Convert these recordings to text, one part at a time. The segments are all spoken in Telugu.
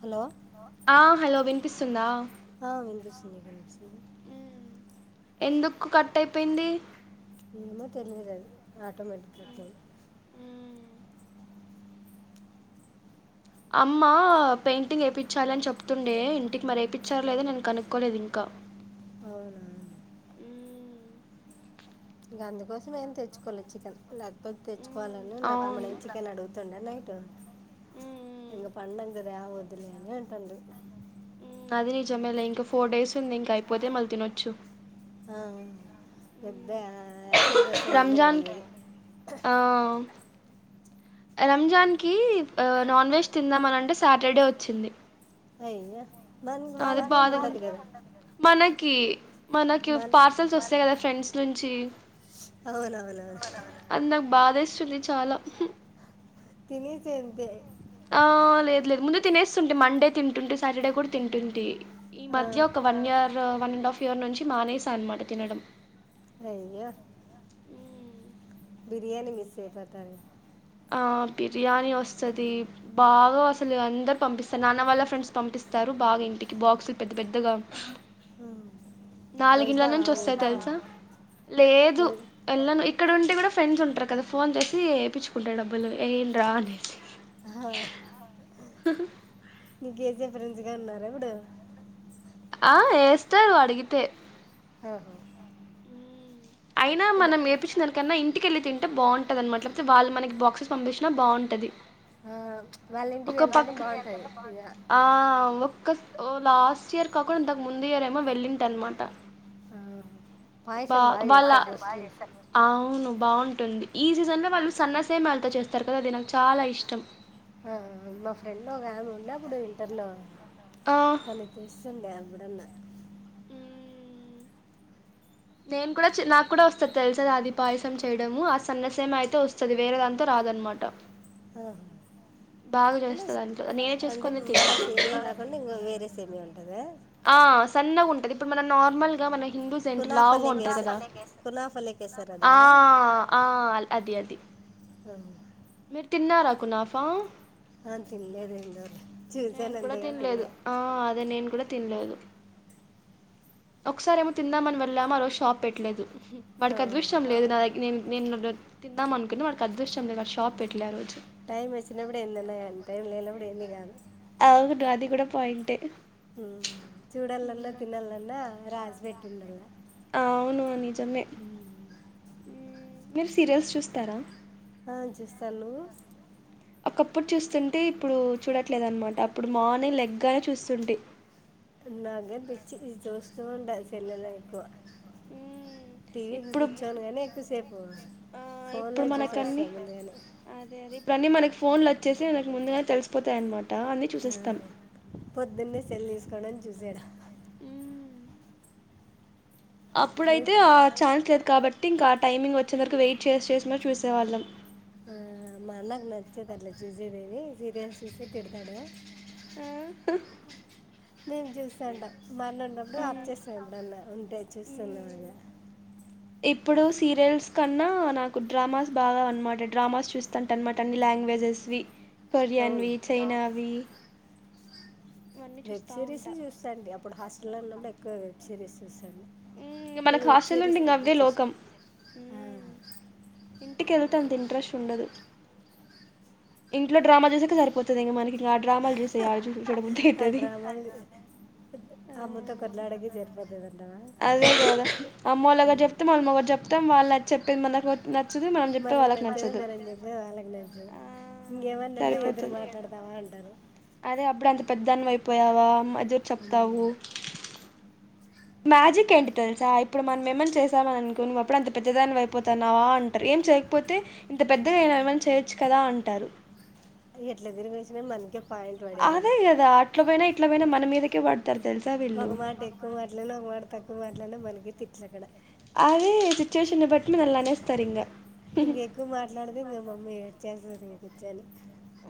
హలో ఆ హలో వినిపిస్తుందా ఆ విన్పిస్తుంది వినిపిస్తుంది ఎందుకు కట్ అయిపోయింది ఏమో తెలియదదు ఆటోమటిి క్ అమ్మా పెయింటింగ్ ఏపిచ్చాలి అని చెప్తుండే ఇంటికి మరె ఏపిచ్చారు లేదో నేను కనుక్కోలేదు ఇంకా అవు ఇగ అందుకోసం ఏం తెచ్చుకోలె చికెన్ లేకపోతే తెచ్చుకోవాలని నా అవును తమ్ముడు చికెన్ అడుగుతుండేను నైట్ ఎంగ పండగా రాేవ ద్దులే అంటండు అది నిజమేలే ఇంక ఫోర్ డేస్ ఉంది ఇంక అయిపోతే మళ్ళీ తినొచ్చు ఆ పెద్దయా [unintelligible] అయింది రెడీ రంజాన్ కి అయింది ఆ రంజాన్ కి నాన్ వెజ్ తిందామని అంటే సాటర్డే వచ్చింది అయ్యా దానికి వాళ్ళకేం ఉండదు కదా కి మనకి మన పార్సల్స్ వస్తాయి కదా ఫ్రెండ్స్ నుంచి స్ అవునవునవును చులి చాల తిినేసె అంతె ఆ లేదు లేదు ముందు తినేస్తుంటే మండే తింటుంటే సాటర్డే కూడ తింటుంటే ఈ ఆ, మధ్య ఒక one year one and half year నుంచి మానేసా అనమాట తినడం అయ్యా మ్మ్. బిరియాని మిస్ అయి పోతార్ ఆ బిర్యానీ వస్తుది బాగ అసలు అందరు పంపిస్తారు నాన్న వాళ్ళ ఫ్రెండ్స్ పంపిస్తారు బాగా ఇంటికి బాక్సు పెద్ద పెద్దగా ఆ నాలుగిండ్ల నుంచి వస్తాయి తెలుసా లేదు వెళ్ వెళను ఇక్కడ ఉండి టే కూడా ఫ్రెండ్స్ ఉంటారు కదా ఫోన్ చేసి యైపించుకుంటాను డబ్బులు ఏ యండి రా అనేసి హ్మ్మ్ నీకేసే ఫ్రెండ్స్ గాని ఉన్నారా అప్పుడు ఆ యేస్తారు అడిగితే హ అయినా మనం ఏపించిన దానికన్నా ఇ ఇంటికెళ్ళి తింటే బాగుంటదన మాట వాళ్ళు మనకి బాక్సెస్ పంపినా బాగుంటది ఆ వాళ్ళింటికి ఒక వెళ్తేనే పక్క బాగుంటది ఇక ఓ లాస్ట్ ఇయర్ కాక ఇంతకు ముందు ఇయర్ ఏమో వెళ్ళింటి అన్న మాట ఆ, బా పాయసం బాగా వాళ చేస్తారు ముస్లిమ్స్ అవును బాగుంటుంది ఈ సీజన్ లో వాళ్ళు సన్నసే మ్యాలతో చేస్తారు కదా అది నాకు చాలా ఇష్టం ఆ మా ఫ్రెండ్ ఒక ఆమె ఉండేప్పుడు ఇంటర్ లో ఆ తన తెస్తుండే ఎప్పుడన్నా మ్ నేను కూడా నాకు కూడా వస్తది తెలుస అది పాయసం చేయడము ఆ సన్నసేమియా అయితే వస్తది వేరే దాంతో రా దనమాట హ దాంట్లో నేనే అంటే చేసుకొని మన సేమియా తింటా కాకుండా ఇంకో వేరే సేమియా ఉంటద ఆ సన్నగా ఉంటది ఇప్పుడు మనం నార్మల్ గా మన హిందూస్ ఏంట లావుగా ఉంటది కునాఫలేకేస కదా కునాఫలేకేసారు ఆ అదా ఆ అది అది హ్మ్మ్ మీరు తిన్నారా కునాఫా ఆ, తినలేదు ఏందో నేను చూశాను కూడా అంతే కానీ తినలేదు తినలే ఆ అదే నేను కూడా తిన్లేదు ఒకసారి ఏమో తిందామని వెళ్ళామా ఆరోజు షాప్ పెట్టలేదు ఆ, వాడికి అదృష్టం లేదు నా దగ న నేను తిందాం అనుకుని వాడికి అదృష్టం లేదు వా షాప్ పెట్లే ఆ రోజు టైమ్ వచ్చిన అప్పుడు ఏదైనా కానీ టైమ్ లేనప్పుడు ఏంది కాదు అవును అది కూడా పాయింటే హ్మ్ చూడలన్నా ఉమ్, తినాలన్న రాసిబెట్టిఉండాల అవును నిజమే ఉమ్, మీరు సీరియల్స్ చూస్తారా ఆ చూస్తాను నువ్వు ఒకప్పుడు చూస్తుంటే ఇప్పుడు చూడట్లేదునమాట అప్పుడు మార్నింగ్ లెగ్గానే చూస్తుంటే నాగాని పిచ్చి ఇది చూస్తూ ఉంటా సెలుళ్ళో ఎక్కువ హామ్ టీవీ ముందు కూర్చోను గానీ ఎక్కువసేపు ఆ ఫోన్లో ఇప్పుడు మనకన్ని చూసేస్తా ముందుగానే అదే అదే ఇప్పుడు అన్నీ మనకి ఫోన్లు వచ్చి వచ్చేసి వాళ్ళకి ముందుగానే తెలిసిపోతాయి అన్నమాట అన్నీ ఆ చూసేస్తాం పొద్దున్నే సెల్ తీసుకోవడం చూసేయడం ఉమ్. నువ్వు అప్పుడైతే ఆ ఛాన్స్ లే వు కాబట్టి ఇంకా ఆ టైమింగ్ వచ్చే వరకు వెయిట్ చేసి చేసి మరి చూసేవాళ్ళం ఆ మా అన్నకు నచ్చదు అట్లా చూసేదేవి సీరియల్స్ చూస్తే తిడతాడు ఆ మేమ్ చూస్తాండం మా అన్న ఉన్నప్పుడు ఆఫ్ ఉమ్. చేస్తాం ఎప్పుడన్నా ఉంటేయి చూస్తున్నా అనగా ఇప్పుడు సీరియల్స్ కన్నా నాకు డ్రామాస్ బాగా అనమాట డ్రామాస్ చూస్తుంట అనమాట అన్ని లాంగ్వేజెస్ వి అవును కొరియన్వి చైనావి ఇవన్నీ వెబ్ చూస్తా సిరీస్ ఉంటా చూస్తాంటి అప్పుడు హాస్టల్ లో ఉన్నప్పుడు ఎక్కువ వెబ్ సిరీస్ చూస్తాన్ ఉ మనకు హాస్టల్ ఉండి ఇంకా అవ్వే లోకం ఆ, ఉమ్ ఇంటికి వెళ్తాం. అంత్ ఇంట్రెస్ట్ ఉండదు ఇంట్లో డ్రామా చూసేకే సరిపోతది ఇంగ మనకి. ఆ డ్రామా చూసి యాడ చూడ్ చూడబుద్ది ఆ అయితది డ్రామాలు ఆ ఇగ జర్ర పోదమ్ అదే కదా అమ్మ వొళ్ళు ఉం. ఒకటి చెప్తే మనమ్ ఒకటి చెప్తాం వాళ్ళు చేప్పేది మనకు ఒ నచ్ మనకు నచ్చదే మనం చెప్పేది వాళ్ళకి నచ్చదు ఆ ఇంగే సరిపోతది అదే అప్పుడు అంత పెద్దాన్వి అయిప్ పోయావా మజరు ఉం. చెప్తావు మ్యాజిక్ ఏంటి తెలుసా ఇప్పుడు మనం ఏమన్ చేసామని అనుకో నువ్వు అప్పుడు అంత పెద్దదాని అయిపోతున్నావా అంటారు. ఎమ్ ఎమ్ చేయకపోతే ఇంత పెద్దగా అయినవ్ ఏమైనా చేయొచ్చు కదా అంటారు. ఎట్లా తిరిగి వచ్చినా మనకే పాయింట్ పడేది అదే కదా అట్ల పోయినా ఇట్ల పోయినా మన మీదకే పడ్ ఒక మాట ఎక్కువ మాట్లన్న ఒక మాట తక్కువ మాట్లాన్న మనకే తిట్లు అక్కడ. అదే సిచ్యువేషన్ బట్టి వాళ్ళు అనేస్తారు ఇంగా. ఇంగ్ ఎక్కువ మాట్లాడితే ఇంకా మమ్మీ ఏడ్చేస్తది ఇంగ్ కుర్చొని.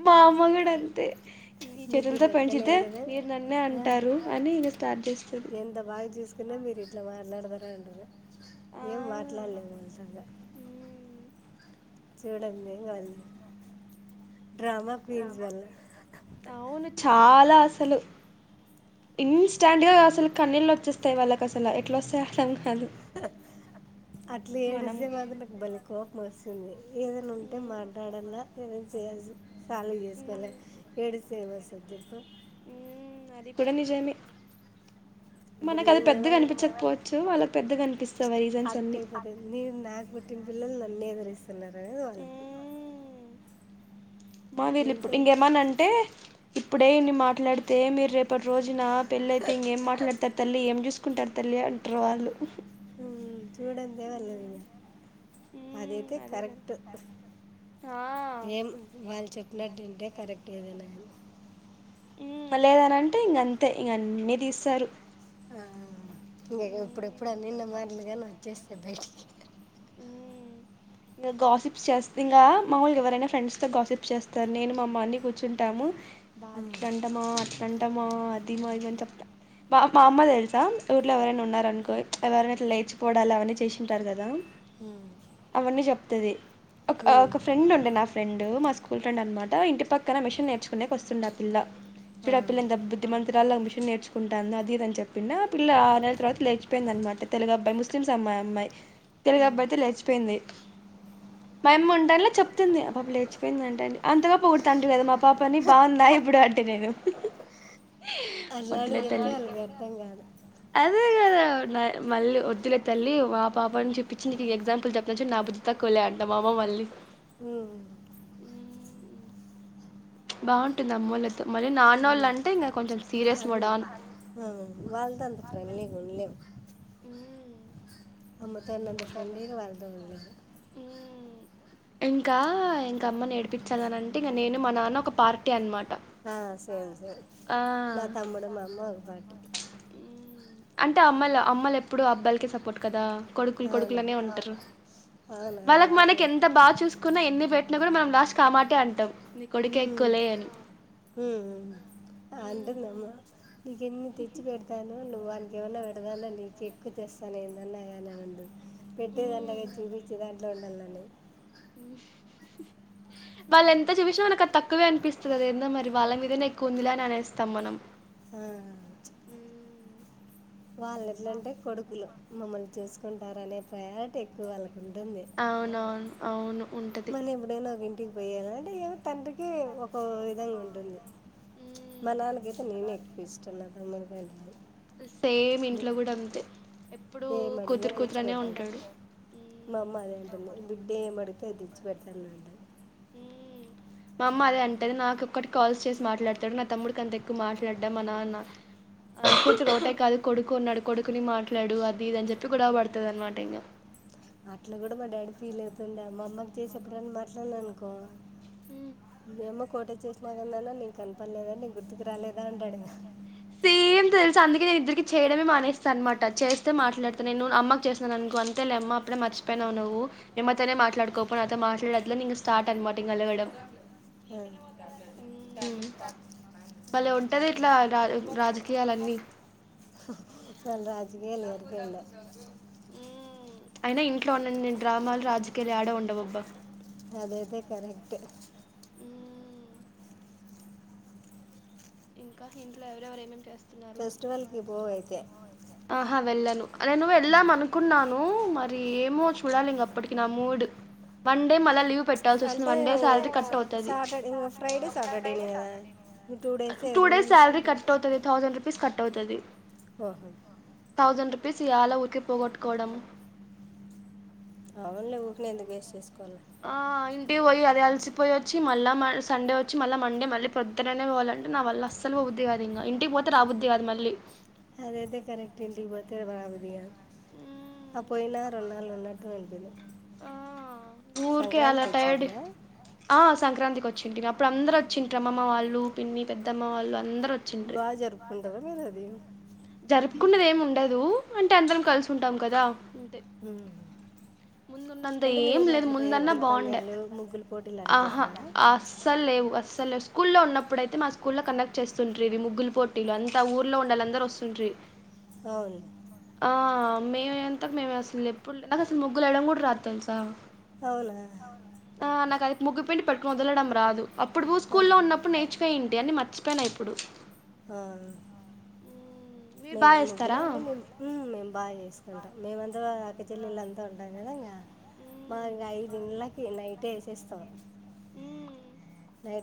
మా అమ్మ గూడ అంతే ఈ మీకు చేతులతో లెక్క పెంచితే లేదు కదా మీరు నన్నే ఆ, అంటారు అని ఇంగ స్టార్ట్ చేస్తది. ఎంత బాగా చూసుకున్నా మీరు ఇట్లా మాట్లాడతారా అంటారు ఎమ్ మాట్లాడలేం మనం ఇంక. చూడండి వాళ్ళు [unintelligible] క్వీన్స్ వల్ల అవును చాలా అసల్ అసలు ఇన్ స్టాంట్ గా అసలు కన్నీళ్ళు వచ్చేస్తాయి వాళ్ళకి అసలు ఎట్లా వస్తాయి అర్థం గ [inaudible] అట్లా మనం ఏడిస్తే మాత్రం నాకు బలే కోపం వస్తుంది, ఏదైనా ఉంటే మాట్లాడలా ఏదోకటి చేసి సాల్వ్ చేస్కోవల్ల ఏడిస్తే ఎమ్ వస్తది చెప్పు. అది కూడా నిజమే [inaudible] మనకు అది పెద్దగా నేనేమన్నా అనిపించకపోవచ్చు వాళ్ళకి పెద్దగా అనిపిస్తయి ఆ రీజన్స్ అన్ని. పిల్లోళ్ళు నన్నే ఎదిరిస్తున్నారు అనేది వాళ్ళకు మా వీళ్ళు ఇప్పుడు ఇంకేమనంటే ఇప్పుడే ఇన్ని మాట్లాడితే మీరు రేపు ఇప్పటి రోజున పెళ్ళ అయితే ఇంకేం మాట్లాడతారు తల్లి ఏం చూసుకుంటారు తల్లి అంటారు వాళ్ళు. ఉ చూడనిదా వాళ్ళది ఇగ ఉమ్ అదయితే అదే కదా కరెక్ట్ ఆ ఎమ్ వాళ్ళు చెప్పినట్టు వింటే కరెక్ట్ ఏదైనా గాని ఉమ్ వాళ్ళు ఏదైనా అంటే ఇంగ అంతే ఇంగ అన్నీ తీస్తారు. ఆ ఇంగ ఉమ్ ఎప్పుడెప్పుడు అన్నిననా మాట్లుగాని వచ్చేస్తాయి బయిటికి. ఉ ఇంగ గాసిప్స్ చేస్త ఇంగ మమూలుగా ఎవరైనా ఫ్రెండ్స్ తో గాసిప్స్ చేస్తారు, నేను మా అమ్మ అని కూర్చుంటాము. వాళ్ళు ఇట్లంట మా అట్లంట మా అది మా ఇది మా అని చెప్తా. మా మా అమ్మ తెలుసా ఊళ్లో ఎవరైనా ఉన్నారనుకో చ్ ఎవరైనా ఇట్లా లేచిపోడాలు అవన్నీ చేసింటారు గాదా. హు అవన్నీ చెప్తది ఒక ఆ ఒక ఫ్రెండ్ ఉండే నా ఫ్రెండు మా స్కూ స్కూల్ ఫ్రెండ్ అనమాట ఇంటి పక్కన మిషన్ నేర్చుకునే వస్తుండే ఆ పిల్ల, చూడు ఆ పిల్ల ఎంత బుద్ధిమంతురాలాగా మిష్ నేర్చుకుంటానంది అది ఇది అని చెప్పిండ్య ఆ పిల్ల ఆ నెల తర్వాత లేచిపోయిందనమాట తెలుగు అబ్బాయి ముస్లిమ్స్ అమ్మాయి ఆ అమ్మాయి. ఆ. తెలుగు అబ్బాయితో లేచిపోయింది మా అమ్మ ఉంటాన్లా చెప్తుంది ఆ పాప లేచిపోయింది అంట అని అంతగా పోగుడుతాంటివిగా మా ఆ పాప అని బాగుందా ఇప్పుడు అంటి నేను [inaudible] వద్దులే అట్లాంటివి చెప్తే తల్లి వాళ్ళకి అర్థం కాదు అదే కదా న మళ్ళీ వద్దులే తల్లి మా పాప ను చూపించి నీకు ఎగ్జామ్ పిలుచు కొచ్న్ నా బుద్ధి తక్కువలే అంట మా అమ్మ మళ్ళి ఉ ఉమ్ బాగుంటుంది అమ్మఒళ్ళతో మళ్ళీ నానోళ్ళు ఉమ్. అంటే ఇంకా కొంచెం సీరియస్ మోడ్ అన్- ఆన్ ఆ, వాళ్ళతో అంత ఫ్రెండ్లీ ఉలే ఉమ్మ్ అమ్మతోనుంత ఫ్రెంగా వాళ్ళతో ఉండలేం ఇంకా ఇంక అమ్మనేడిపించాలని అంటే ఇంక నేను మా నాన్న ఒక పార్టీ అనమాట ఆ సేం సే ఆ నా తమ్ముడు మామ్మ ఒక పార్టీ అంటే అమ్మలు అమ్మలు ఎప్పుడు అబ్బాలకే సపోర్ట్ కదా కొడుకులు కొడుకులునే అవునవును ఉంటారు అవును వాళ్ళకు అదైతే మనకి కరెక్ట్ ఎంత బాగా చూసుకున్నా ఎన్ని పె కూడా మనం లాస్ట్ కామాటే అంటాం నీ హు కొడుకే ఎక్కువలే అని హు ఆంటదమ్మా నీకేన్ని తెచ్చి పెడతాను. నువ్వు వాళ్ళకి ఏమన్నా పెదుతన నీకే ఎక్కువ చేస్తాను ఏంటన్నాగానీ అనదు పెట్టేదంటగాదు చూపించె దాంట్లో ఉండాలన్న [unintelligible] వాళ్ళు ఎంత చూపిచ్చిన మనకు అది తక్కువే అనిపిస్తుంది అద ఏందో మరి వాళ్ళ మీదనా ఎక్కువ ఉందిలే అని అనేస్తాం మనం ఆ వాళ్ళ ఎట్లంటే కొడుకులు మమ్మల్ని చూసుకుంటారునే ప్రయారిటీ ఎక్కువ వాళ్ళకి అవునవును అవును ఉంటది మనం ఎప్పుడైనా ఒక ఇంటికి పోయల అంటే ఏ తండ్రికి ఒక విధంగా ఉంటుంది. మ్మ్ మ నాన్న కైతే నేనే ఎక్కువ ఇష్ట నా తమ్ముడు కంటే సేమ్ ఇంట్లో గుడా అంతే ఎప్పుడు ఏమి అడిగినా కూతురు తెచ్చి కూతురనే పెడతాడు ఉంటాడు మా మ్మ్ అమ్మ అదే అంటూది బిడ్డ ఎం మడుగితే అది తెచ్చి పెడతాన్నాఅంట మ్మ్ [unintelligible] మా అమ్మ అదే అంటేది నాకు ఒక్కటి కాల్స్ చేసి మాట్లాడతాడు నా తమ్ముడికి అంత ఎక్కువ మాట్లాడడా మ నాన్న అ కూతురు ఒకటే కాదు కొడుకు ఉన్నాడు కొడుకుని మాట్లాడు అది ఇది అని చెప్పి కూడావ పడుతుంది అనమాట ఇంగ అట్లా కూడా మా డాడీ ఫీల్ అవుతుండే మా అమ్మమ్మకి చేసేప్పుడైనా మాట్లాడిన అనుకో ఇంగ ఏమో కోట చేసినా నాన్న నీకు కనపడలేదా నీ గుర్తుకు రాలేదా అంటాడు ఇంగ తెలుసు అందుకే నేను ఇద్దరికి చేయడమే మానేస్తా అనమాట చేస్తే మాట్లాడుతాను నేను అమ్మకి చేస్తన్నాను అనుకో అంతే లే అమ్మ అప్పుడే మర్చిపోయివు నువ్ మేమ్మతోనే మాట్లాడుకోకపో నాతో మాట్లాడదు ఇంకా స్టార్ట్ అనమాట ఇంగ అలగడం [unintelligible] మ్మ్. భలే ఉంటది ఇట్లా రా రాజకీయాలన్నీ ఇవాళ రాజకియలు వరకే ఉన్నాయ్ అయినా ఇంట్లో ఉన్నన్ని డ్రామాలు రాజకీయాలు ఏడ ఉండవుబ్బా అది అయితే కరెక్ట్ మ్మ్. ఇంకా ఇంట్లో ఎవరెవరు ఏమేం చేస్తున్నారు ఫెస్టివల్కి పోవైతే ఆహా వెళ్ళ అదే నువ్ వెళ్ళాం అనుకున్నాను మరి ఏమో చూడాలిగ అప్పటికి నా మూడు వన్ డే మళ్ళ లీవ్ పెట్టాల్సి వస్తుంది అంటే వన్ డే శాలరీ కట్ అవుతది సెట్ ఫైడే సాటర్డేదా గదా టూ డేస్ శాలరీ కట్ అవుతుది థౌజండ్ రూపీస్ కట్ అవుతది ఓ ఓహ థౌసండ్ రూపీస్ యాళ ఊరికి పోగొట్టుకోవడం అవునులే ఊరికినే ఎందుకు వెస్ట్ చేసుకోడం ఆ పోయి అది అలిసిపోయి వచ్చి మళ్ళ మ సండే వచ్చి మళ్ళీ మండే మళ్ళీ పొద్దుననే పోవాలంటే నావల్ల అస్సలు పో బుద్ది కాదు ఇంగ ఇంటికి పోతే బుద్ది గాదు మళ్ళీ అందయితే కరెక్టే ఇంటికి పోతె రాబ్బుద్ది గాదు హూ పోయినా రెండు నెలలు ఉన్నట్టు అనిపియలే. ఆ ఊర్కే అలా టైర్డ్ వచ్చింటివా ఆ సంక్రాంతికి వచ్చింటుమి అప్పుడు అందరు వచ్చింట్రి అమ్మమ్మ వాళ్ళు, పిన్ని, పెద్దమ్మ వాళ్ళు అందర్. బాగా జరుపుకుంటరా మీరు అది. జరుపుకున్నది ఏమి ఉండదూ. అంటే అందరం కల్సి ఉంటాం కదా. అంతే హ్ము ముందున్నంత ఏం లేదు. ముందన్నా బాగుండే. పందాలు ముగ్గుల పోటీలు అట్లా ఆహా పెట్టరా అస్సల్ లేవు అస్ సల్ స్కూల్లో ఉన్నప్పుడు అయితే మా స్కూల్లో కండెక్ట్ చేస్తుంట్రి. ఇవి ముగ్గులు పోటీలు అంత ఊర్లో ఉండాలందరు వస్త్ తుంట్రి అవును ఆ హా మేం అంతక్ మేము అసల్ ఎప్పుడు లే. నాకు అస్సలు ముగ్గుల్ ఏయడం కూడా రాద్ తెలుసా. అవులే ఆ నాకు అది ముగ్గు పిండి పట్టుకుని వదలడం రాదు. అప్పుడూ ఆ. స్కూల్లో ఉన్నప్పుడు నేర్చుకయం ఇయన్ని మర్చిపోయినా ఇప్పుడు. ఆ మీరు మే బాగా ఏస్తారా ముగ్గులన్నీ మేం ఊమ్ మేము బాగా చేసు కుంటాం మేమంతా అక్క చెల్లెళ్ళు అంతా ఉంటాం గదా ఇంగా. మా ఇంకా ఐదు ఇళ్ళక్ కీ నైటే ఏసేస్తాం ఊ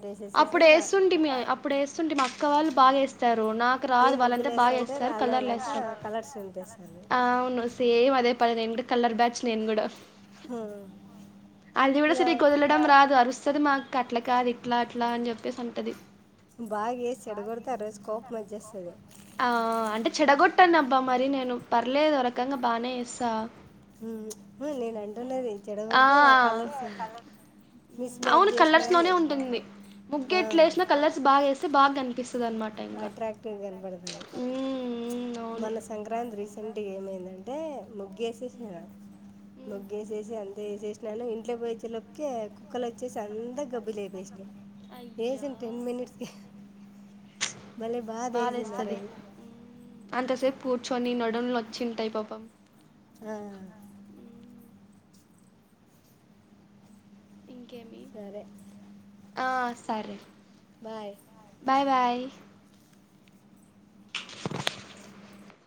వేసేసేసి అప్పుడు ఇంకా ఏస్తుంటిమీ అప్పుడు ఏస్తుంటిమీ మా అక్క వాళ్ళు బాగా ఏస్తారు. రు నాకు రాదు మేము ముగ్గులు వాళ్ళంతా బాగా వేస్తుంటే ఏస్తారు రాని కలర్లు వాళ్ళంతా ఏస్తం. కలర్స్ నింపేస్తారు ఆ అవును సేమ్ అదే పని నేను గూడా, కలర్ బ్యాచ్ నేను గూడా. హూ అది గూడా సరిగ్గ వదలడం రాదు అరుస్తది మా అక్క అట్లా కాదు ఇట్లా అట్లా అని చెప్పేసి అంటది. బాగా వేసి చెడగొడితే ఆ రోజు కోపం వచ్చేస్తుంది ఆ అంటే చెడగొట్టనబ్బా మరీ నేను పర్లేదు ఒరకంగా బాగనే చేస్తా. ఊ హ్ము ప్చ్ నేను అంటున్నది ఆ చెడగొడితే కలర్సు. అవును కలర్స్ లోనే ఉంటుంది. ముగ్గెట్లేశినా, కలర్స్ బాగా ఏస్తే బాగా కనిపిస్త్ అట్రాక్టివ్ కన్బడతది. ప్చ్ మ్మ్ అవును మొన్న సంక్రాంత్రి రీసెంట్గ ఏమైందంట్ టే ముగ్గేశేశినా, మ్మ్ ముగ్గేశేశి అంత్ ఏశేశినాను ఇంట్లో పొయి వచ్చేలోపుకే కుక్కలొచ్చేసి అంత గబ్బు లేపేశి ఏశిన్ టెన్ మినిట్స్ కే ప్చ్ బాధ ఏస్తది అంత సేప్ కూర్చొనీ నడుంలు నొచ్చింటాయి పాపం. ఆ ఉమ్ ఇంకేమి సరే ఆ సరే బాయ్ బాయ్ బాయ్